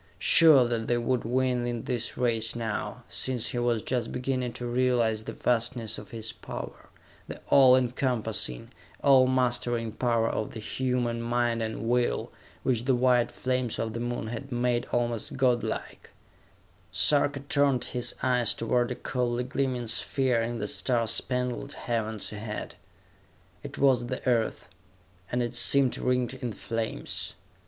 Sure that they would win in this race now, since he was just beginning to realize the vastness of his power the all encompassing, all mastering power of the human mind and will, which the white flames of the Moon had made almost god like Sarka turned his eyes toward a coldly gleaming sphere in the star spangled heavens ahead. It was the Earth, and it seemed ringed in flames!